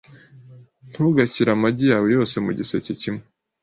Ntugashyire amagi yawe yose mugiseke kimwe .